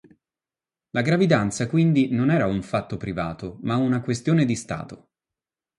La gravidanza, quindi, non era un fatto privato ma una questione di Stato.